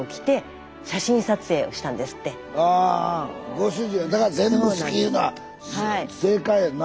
ご主人はだから全部好きいうのは正解やな。